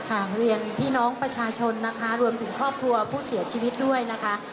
เรียนพี่น้องประชาชนนะคะรวมถึงครอบครัวผู้เสียชีวิตด้วยนะคะ